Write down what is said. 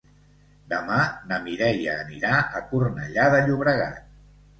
Demà na Mireia anirà a Cornellà de Llobregat.